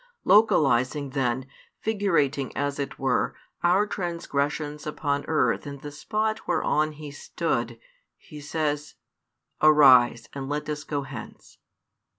Localising then, figurating as it were, our transgressions upon earth in the spot whereon He stood, He says, Arise, and let us go hence.